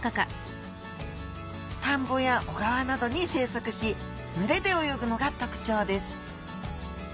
田んぼや小川などに生息し群れで泳ぐのが特徴です。